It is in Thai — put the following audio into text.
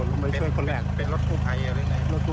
รถพูดไปเนี่ยมารับคนเกิดเหตุ